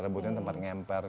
rebutan tempat ngempar